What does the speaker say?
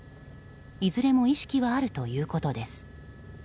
いずれも意識はあるということです。